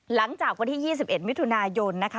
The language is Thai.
หลังจากวันที่๒๑มิถุนายนนะคะ